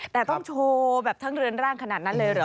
แต่ต้องโชว์แบบทั้งเรือนร่างขนาดนั้นเลยเหรอ